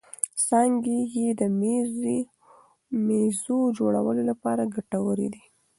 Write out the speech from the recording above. څانګې یې د مېزو جوړولو لپاره ګټورې دي.